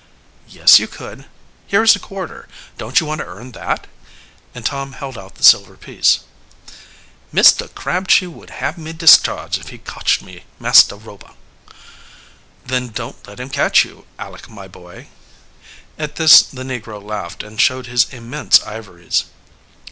"Yes, you could. Here is a quarter. Don't you want to earn that?" And Tom held out the silver piece. "Mr. Crabtree would hab me discharged if he cotched me, Master Rober." "Then don't let him catch you, Aleck, my boy." At this the negro laughed and showed his immense ivories.